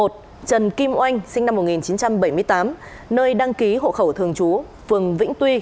một trần kim oanh sinh năm một nghìn chín trăm bảy mươi tám nơi đăng ký hộ khẩu thường trú phường vĩnh tuy